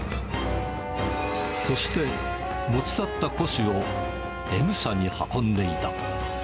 そして、持ち去った古紙をＭ社に運んでいた。